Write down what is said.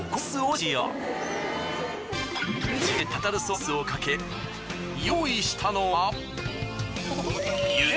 自家製タルタルソースをかけ用意したのは。